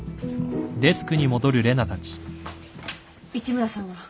市村さんは？